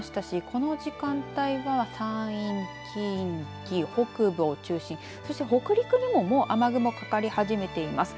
この時間帯は山陰、近畿北部を中心そして北陸でも、もう雨雲かかり始めています。